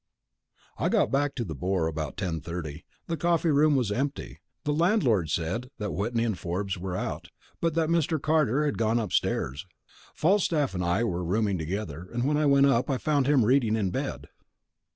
I got back to the Boar about ten thirty. The coffee room was empty. The landlord said that Whitney and Forbes were out, but that Mr. Carter had gone upstairs. Falstaff and I were rooming together, and when I went up I found him reading in bed.